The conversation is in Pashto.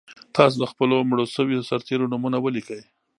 تاسو د خپلو مړو شویو سرتېرو نومونه ولیکئ.